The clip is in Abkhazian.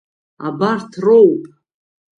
Абарҭ роуп.